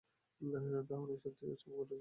তাহলে, সত্যিই ওসব ঘটেছে বলে মনে করো?